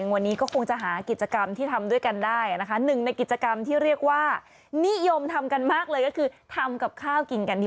ด้านมูกุรูด้านมูการแสวงหาสิ่งของแบบนี้